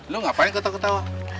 lu gak apa apa keian ketawa ketawa